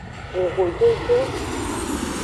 Ehojojo.